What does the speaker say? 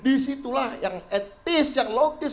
disitulah yang etis yang logis